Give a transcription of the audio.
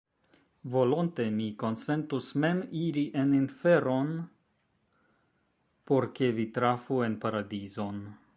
Volonte mi konsentus mem iri en inferon, por ke vi trafu en paradizon!